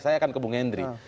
saya akan ke bung hendry